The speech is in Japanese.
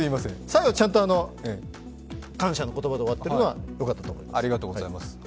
最後、ちゃんと感謝の言葉で終わっているのはよかっと思います。